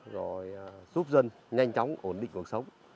rồi giúp dân nhanh chóng ổn định cuộc sống